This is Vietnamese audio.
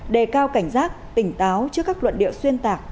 đề cao cảnh giác tỉnh táo trước các luận điệu xuyên tạc